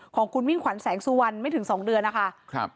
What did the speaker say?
ของคุณมิ่งขวัญแสงสู่วันไม่ถึงสองเดือนนะคะครับ